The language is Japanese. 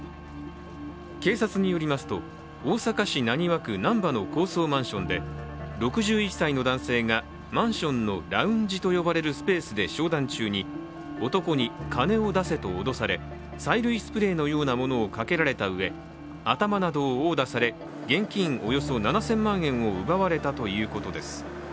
警察によりますと大阪市浪速区・難波の高層マンションで、６１歳の男性がマンションのラウンジと呼ばれるスペースで商談中に男に金を出せと脅され催涙スプレーのようなものをかけられたうえ頭などを殴打され現金およそ７０００万円を奪われたということです